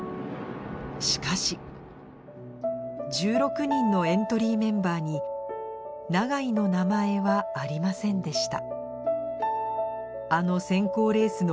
しかし１６人のエントリーメンバーに永井の名前はありませんでした